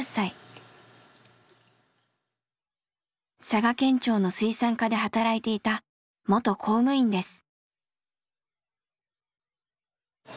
佐賀県庁の水産課で働いていた元公務員です。